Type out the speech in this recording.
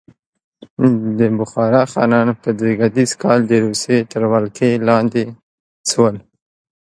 د بخارا خانان په زېږدیز کال د روسیې تر ولکې لاندې شول.